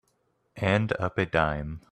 And up a dime.